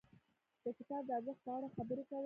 د کتاب د ارزښت په اړه خبرې کول.